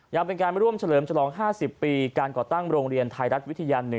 ยังเป็นการร่วมเฉลิมฉลอง๕๐ปีการก่อตั้งโรงเรียนไทยรัฐวิทยา๑